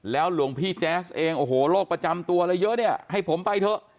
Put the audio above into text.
หลวงพี่แจ๊สเองโอ้โหโรคประจำตัวอะไรเยอะเนี่ยให้ผมไปเถอะ